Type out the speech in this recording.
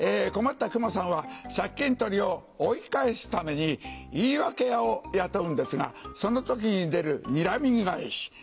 困った熊さんは借金取りを追い返すために言い訳屋を雇うんですがその時に出る「睨み返し」